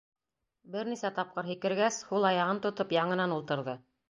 Бер нисә тапҡыр һикергәс, һул аяғын тотоп яңынан ултырҙы.